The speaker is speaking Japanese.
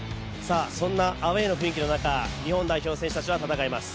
そんなアウェーの雰囲気の中日本代表選手は戦います。